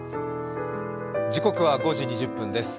時刻は５時２０分です。